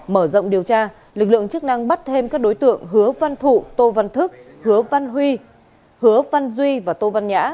mở rộng điều tra lực lượng chức năng bắt thêm các đối tượng hứa văn thụ tô văn thức hứa văn huy hứa văn duy và tô văn nhã